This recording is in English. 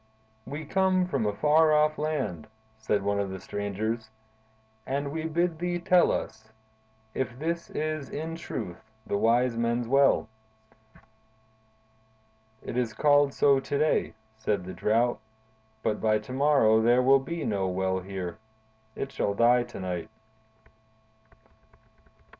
"We come from a far off land," said one of the strangers, "and we bid thee tell us if this is in truth the Wise Men's Well?" "It is called so to day," said the Drought, "but by to morrow there will be no well here. It shall die to night."